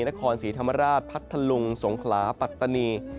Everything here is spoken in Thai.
นครศรีธรรมราชพัทธลุงสงขลาปัตตานี